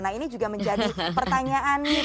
nah ini juga menjadi pertanyaan